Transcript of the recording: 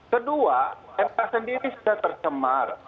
kedua mk sendiri sudah tercemar